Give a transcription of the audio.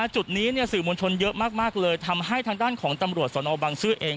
จุดนี้สื่อมวลชนเยอะมากเลยทำให้ทางด้านของตำรวจสนบังซื้อเอง